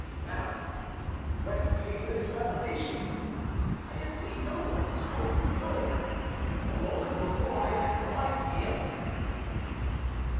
"Now whence came this revelation? I had seen no one, spoken to no one; a moment before I had no idea of it!"